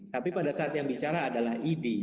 tapi pada saat yang bicara adalah idi